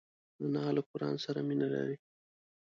انا له قران سره مینه لري